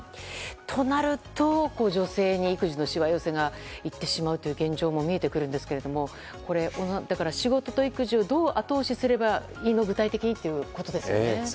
となると女性に育児のしわ寄せが行ってしまうという現状も見えてきますが小野さん、仕事と育児をどう後押しすればということですね。